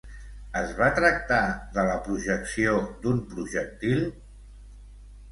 Es va tractar de la projecció d'un projectil?